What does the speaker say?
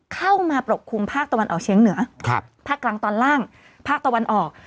เข้ามาปกคลุมภาคตะวันออกเชียงเหนือภาคกลางตอนล่างภาคตะวันออก